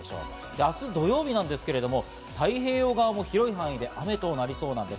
明日土曜日なんですけど、太平洋側も広い範囲で雨となりそうなんです。